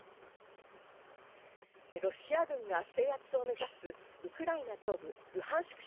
ロシア軍が制圧を目指すウクライナ東部ルハンシク